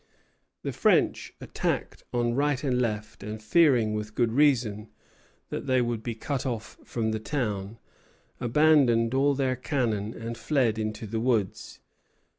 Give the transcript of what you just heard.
The French, attacked on right and left, and fearing, with good reason, that they would be cut off from the town, abandoned all their cannon and fled into the woods.